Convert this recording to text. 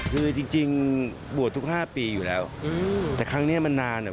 คือจริงบวชทุก๕ปีอยู่แล้วแต่ครั้งเนี้ยมันนานอ่ะ